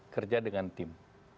kerja dengan tim